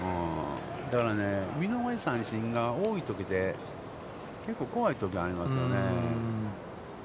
だから見逃し三振が多いときって、結構怖いときがありますよね。